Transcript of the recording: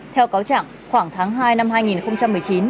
theo cáo trạng khoảng tháng hai năm hai nghìn một mươi chín